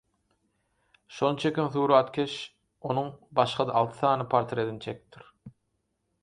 şony çeken suratkeş onuň başga-da alty sany portretini çekipdir.